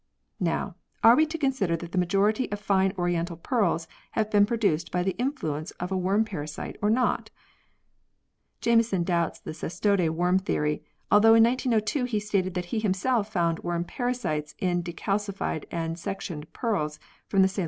Now, are we to consider that the majority of fine oriental pearls have been produced by the influence of worm parasites or not ? Jameson doubts the cestode worm theory, although in 1902 he stated that he himself found worm parasites in decalcified and sectioned pearls from the Ceylon oyster.